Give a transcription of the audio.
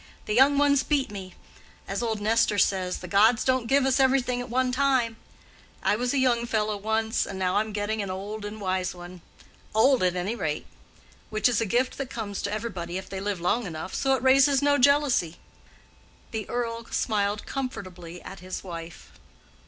The young ones beat me. As old Nestor says—the gods don't give us everything at one time: I was a young fellow once, and now I am getting an old and wise one. Old, at any rate; which is a gift that comes to everybody if they live long enough, so it raises no jealousy." The Earl smiled comfortably at his wife.